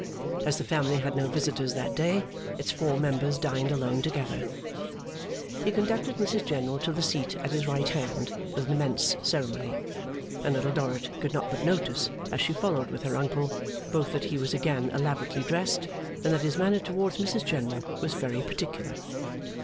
As the family had no visitors that day, its four members dined alone together. He conducted Mrs General to the seat at his right hand with immense ceremony; and Little Dorrit could not but notice as she followed with her uncle, both that he was again elaborately dressed, and that his manner towards Mrs General was very particular.